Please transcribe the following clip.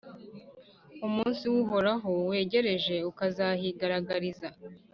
Umunsi w’Uhoraho wegereje, ukazahigaragariza.